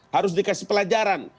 harus dikasih pelajaran